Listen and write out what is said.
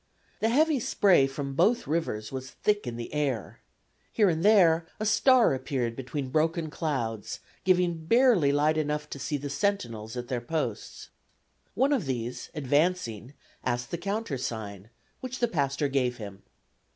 The heavy spray from both rivers was thick in the air. Here and there a star appeared between broken clouds, giving barely light enough to see the sentinels at their posts. One of these, advancing, asked the countersign, which the pastor gave him.